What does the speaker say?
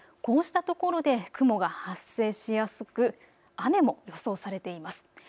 こうした所で雲が発生しやすく、雨も予想されています。